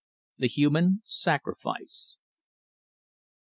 THE HUMAN SACRIFICE.